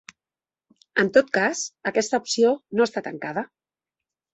En tot cas, aquesta opció no està tancada.